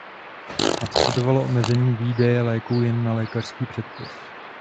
Následovalo omezení výdaje léku jen na lékařský předpis.